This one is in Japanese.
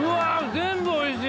全部おいしい。